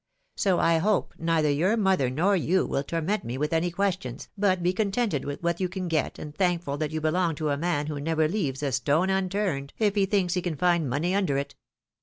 So I hope neither your mother nor you will torment me with any questions, but be contented with what you can get, and thankful that you belong to a man who never leaves a stone unturned if he thinks he can find money under it."